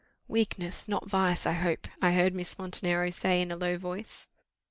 "Weakness, not vice, I hope," I heard Miss Montenero say in a low voice.